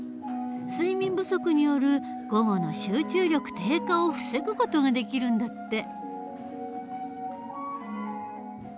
睡眠不足による午後の集中力低下を防ぐ事ができるんだって。